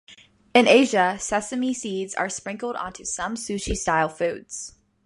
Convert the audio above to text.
In Asia, sesame seeds are sprinkled onto some sushi-style foods.